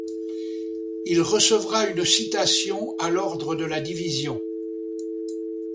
Il recevra une citation à l'ordre de la division.